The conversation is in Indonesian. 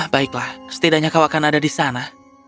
baiklah setidaknya kau akan ada di sana